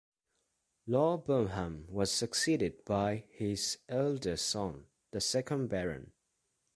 Lord Burnham was succeeded by his eldest son, the second Baron.